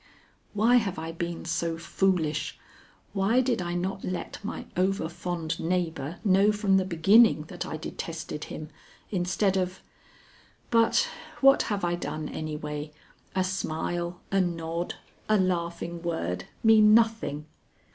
Why have I been so foolish? Why did I not let my over fond neighbor know from the beginning that I detested him, instead of But what have I done anyway? A smile, a nod, a laughing word mean nothing.